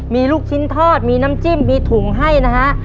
มีลูกชิ้นทอดมีน้ำจิ้มมีถุงให้นะฮะ